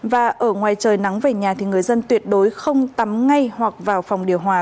và ở ngoài trời nắng về nhà thì người dân tuyệt đối không tắm ngay hoặc vào phòng điều hòa